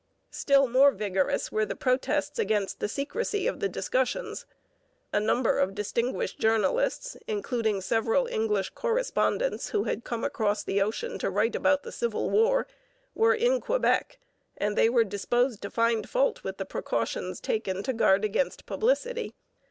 Still more vigorous were the protests against the secrecy of the discussions. A number of distinguished journalists, including several English correspondents who had come across the ocean to write about the Civil War, were in Quebec, and they were disposed to find fault with the precautions taken to guard against publicity.